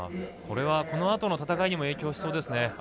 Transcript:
これはこのあとの戦いにも影響しそうですね。